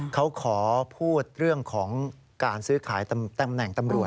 เขาขอพูดเรื่องของการซื้อขายตำแหน่งตำรวจ